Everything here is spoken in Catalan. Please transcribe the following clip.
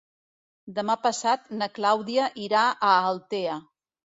Demà passat na Clàudia irà a Altea.